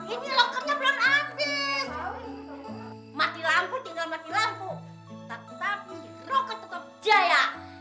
tetapi roket tetap jaya